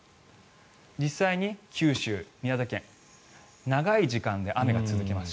実際に九州、宮崎県長い時間で雨が続きます。